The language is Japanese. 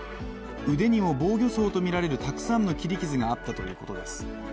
腕にも防御創とみられるたくさんの切り傷があったということです。